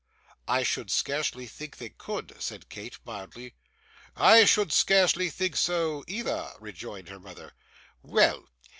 'I should scarcely think they could,' said Kate mildly. 'I should scarcely think so, either,' rejoined her mother. 'Well!